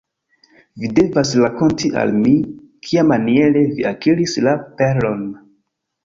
Vi devas rakonti al mi, kiamaniere vi akiris la perlon.